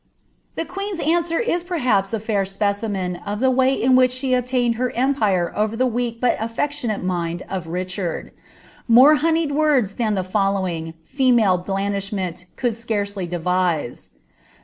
'' The queen's answer is perhaps a fair specimen of the way in which die obtained her empire over the weak but affectionate mind of Richard ; more honeyed words than the following, female blandishment could ■carcely devise.